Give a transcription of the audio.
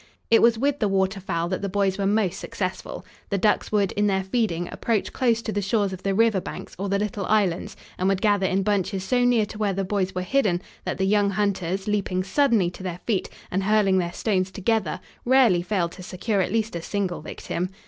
It was with the waterfowl that the boys were most successful. The ducks would in their feeding approach close to the shores of the river banks or the little islands and would gather in bunches so near to where the boys were hidden that the young hunters, leaping suddenly to their feet and hurling their stones together, rarely failed to secure at least a single victim.